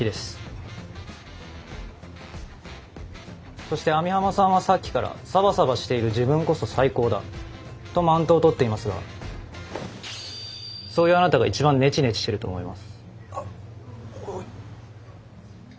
そして網浜さんはさっきから「サバサバしている自分こそ最高だ」とマウントをとっていますがそういうあなたが一番ネチネチしていると思います。